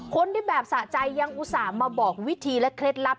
คนที่แบบสะใจยังอุตส่าห์มาบอกวิธีและเคล็ดลับ